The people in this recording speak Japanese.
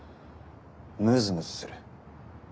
ムズムズする。